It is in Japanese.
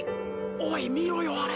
おい見ろよあれ。